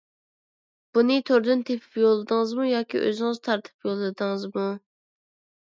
بۇنى توردىن تېپىپ يوللىدىڭىزمۇ ياكى ئۆزىڭىز تارتىپ يوللىدىڭىزمۇ؟